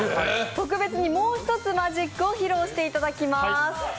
特別に、もう一つマジックを披露していただきます。